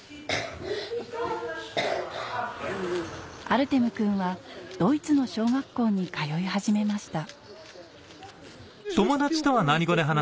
アルテムくんはドイツの小学校に通い始めました